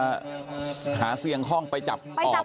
ก็จะหาเสียงห้องไปจับปอบ